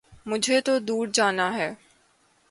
مجھے تو دور جانا ہے